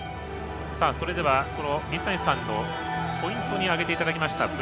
それでは、水谷さんのポイントに挙げていただきました